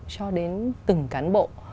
cho đến từng cán bộ